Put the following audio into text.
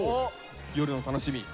夜の楽しみ？